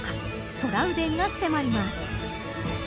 トラウデンが迫ります。